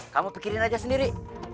kamu pikirin aja sendiri